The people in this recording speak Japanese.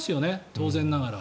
当然ながら。